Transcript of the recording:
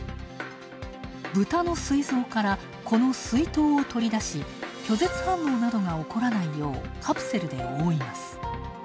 ブタのすい臓から、この膵島を取り出し拒絶反応などが起こらないようカプセルで覆います。